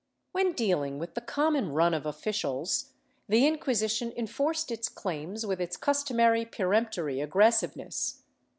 ^ When dealing with the common run of officials, the Inquisition enforced its claims with its customary peremptory aggressiveness.